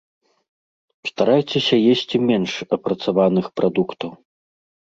Старайцеся есці менш апрацаваных прадуктаў.